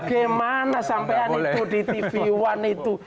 gimana sampean itu di tv one itu